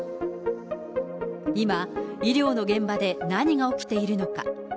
今、医療の現場で何が起きているのか。